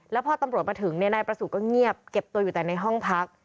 แล้วพอตำรวจมาถึงนายประสูจน์ก็เงียบเก็บตัวอยู่แต่ในห้องพัก